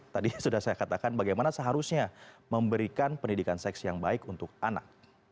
tadi sudah saya katakan bagaimana seharusnya memberikan pendidikan seks yang baik untuk anak